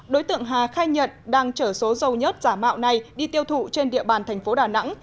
đối tượng hà khai nhận đang chở số dầu nhất giả mạo này đi tiêu thụ trên địa bàn thành phố đà nẵng